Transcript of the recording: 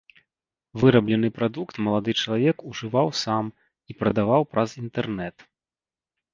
Выраблены прадукт малады чалавек ужываў сам і прадаваў праз інтэрнэт.